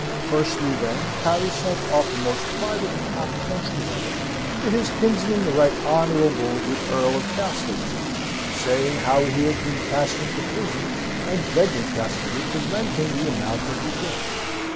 Firstly, then, Harry sent off a most private and confidential letter to his kinsman, the Right Honourable the Earl of Castlewood, saying how he had been cast into prison, and begging Castlewood to lend him the amount of the debt.